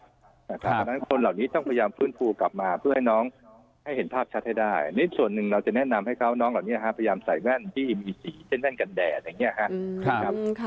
เพราะฉะนั้นคนเหล่านี้ต้องพยายามฟื้นฟูกลับมาเพื่อให้น้องให้เห็นภาพชัดให้ได้นี่ส่วนหนึ่งเราจะแนะนำให้เขาน้องเหล่านี้พยายามใส่แว่นที่มีสีเส้นแว่นกันแดดอย่างนี้ครับ